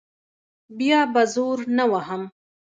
بیا به زور نه وهم.